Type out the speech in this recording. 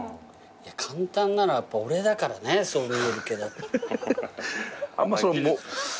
簡単なのは俺だからそう見えるけど。